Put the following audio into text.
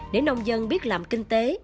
nếu nông dân biết làm kinh tế